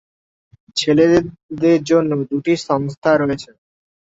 ছেলেদের জন্য দুটি সংস্থা রয়েছে।